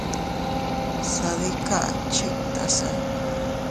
Sadikan chiktasa.